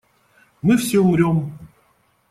Мы все умрём!